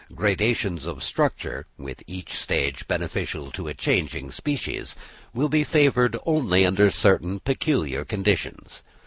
Gradations of structure, with each stage beneficial to a changing species, will be favoured only under certain peculiar conditions.